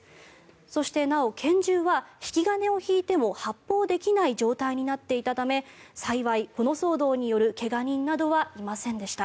そして、なお拳銃は引き金を引いても発砲できない状態になっていたため幸い、この騒動による怪我人などはいませんでした。